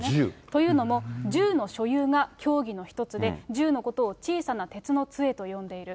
というのも、銃の所有が教義の一つで、銃のことを小さな鉄のつえと呼んでいる。